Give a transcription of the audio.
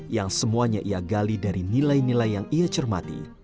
yang semuanya ia gali dari nilai nilai yang ia cermati